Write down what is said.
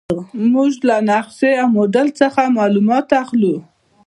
موږ له نقشې او موډل څخه معلومات اخلو.